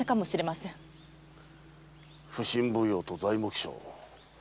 普請奉行と材木商。